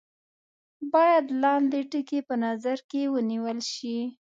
باید لاندې ټکي په نظر کې ونیول شي.